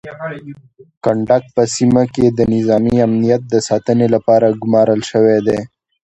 کنډک په سیمه کې د نظامي امنیت د ساتنې لپاره ګمارل شوی دی.